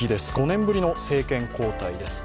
５年ぶりの政権交代です。